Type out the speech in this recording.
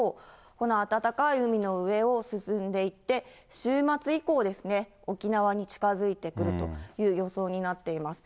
この暖かい海の上を進んでいって、週末以降ですね、沖縄に近づいてくるという予想になっています。